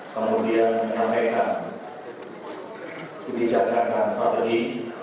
kemudian menyampaikan kebijakan dan strategi